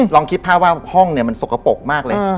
ลองคิดภาพว่าห้องเนี่ยมันสกปรกมากเลย